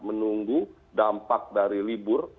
menunggu dampak dari libur